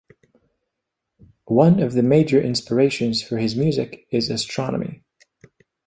One of the major inspirations for his music is astronomy.